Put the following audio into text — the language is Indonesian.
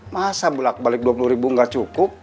masa belak balik dua puluh ribu gak cukup